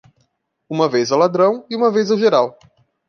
Uma vez ao ladrão? e uma vez ao geral.